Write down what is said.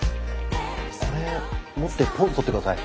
これ持ってポーズ取って下さい。